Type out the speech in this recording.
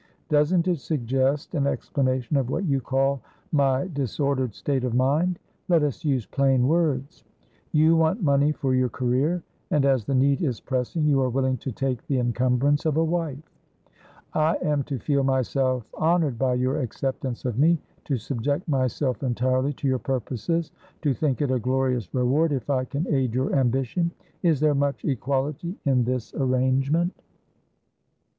Doesn't it suggest an explanation of what you call my disordered state of mind? Let us use plain words. You want money for your career, and, as the need is pressing, you are willing to take the encumbrance of a wife. I am to feel myself honoured by your acceptance of me, to subject myself entirely to your purposes, to think it a glorious reward if I can aid your ambition. Is there much equality in this arrangement?"